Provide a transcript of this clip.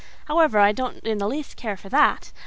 However, I don't in the least care for that.